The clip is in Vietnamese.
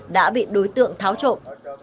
đã bị đối tượng tháo trộm